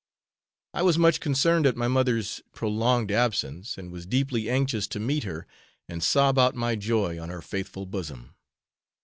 I was much concerned at my mother's prolonged absence, and was deeply anxious to meet her and sob out my joy on her faithful bosom.